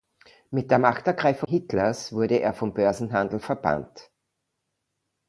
Mit der Machtergreifung Hitlers wurde er vom Börsenhandel verbannt.